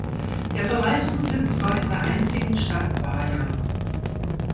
Der Verwaltungssitz war in der einzigen Stadt Baja.